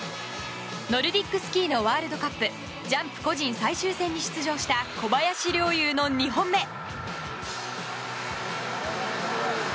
ノルディックスキーのワールドカップジャンプ個人最終戦に出場した小林陵侑の２本目。